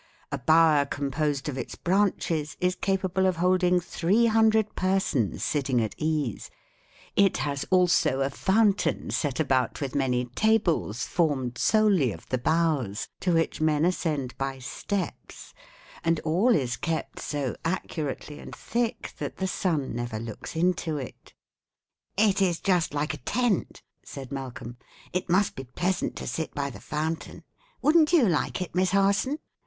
A bower composed of its branches is capable of holding three hundred persons sitting at ease; it has also a fountain set about with many tables formed solely of the boughs, to which men ascend by steps; and all is kept so accurately and thick that the sun never looks into it.'" "It is just like a tent," said Malcolm, "it must be pleasant to sit by the fountain. Wouldn't you like it, Miss Harson?"